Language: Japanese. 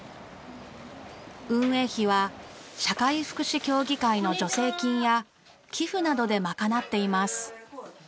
運営費は社会福祉協議会の助成金や寄付などで賄っています。